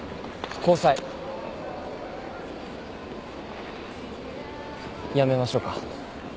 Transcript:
交際やめましょうか？